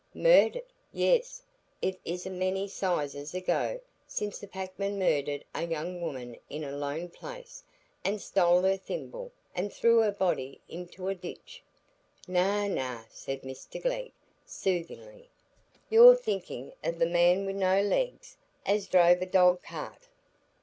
"Murdered,—yes,—it isn't many 'sizes ago since a packman murdered a young woman in a lone place, and stole her thimble, and threw her body into a ditch." "Nay, nay," said Mr Glegg, soothingly, "you're thinking o' the man wi' no legs, as drove a dog cart."